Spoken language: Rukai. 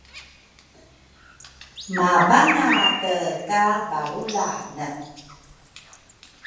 mababangate ka balrulane